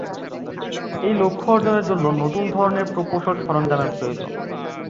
এই লক্ষ্য অর্জনের জন্য নতুন ধরনের প্রকৌশল সরঞ্জামের প্রয়োজন।